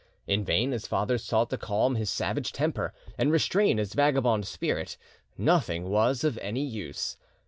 In vain his father sought to calm his savage temper; and restrain his vagabond spirit; nothing was of, any use.